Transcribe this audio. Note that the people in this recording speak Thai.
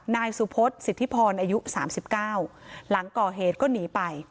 นายสุพธิ์สิทธิพรอายุสามสิบเก้าหลังก่อเหตุก็หนีไป